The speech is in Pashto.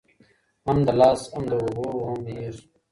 هم د لاښ هم د اوبو وهم یې هېر سو